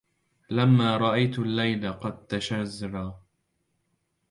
لما رأيت الليل قد تشزرا